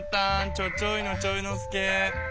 ちょちょいのちょいのすけ。